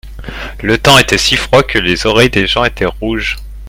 Le temps était si froid que les oreilles des gens étaient rouges.